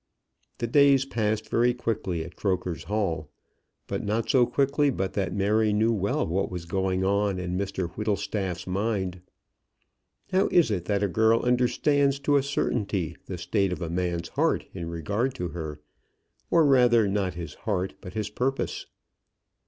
The days passed very quickly at Croker's Hall, but not so quickly but that Mary knew well what was going on in Mr Whittlestaff's mind. How is it that a girl understands to a certainty the state of a man's heart in regard to her, or rather, not his heart, but his purpose?